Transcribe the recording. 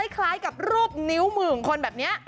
คล้ายกับรูปนิ้วมือของคนแบบนี้